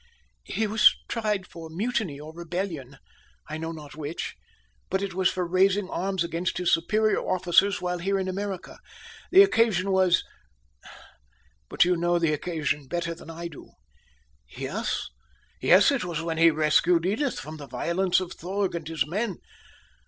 "He was tried for mutiny or rebellion I know not which but it was for raising arms against his superior officers while here in America the occasion was but you know the occasion better than I do." "Yes, yes, it was when he rescued Edith from the violence of Thorg and his men.